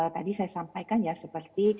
tadi saya sampaikan ya seperti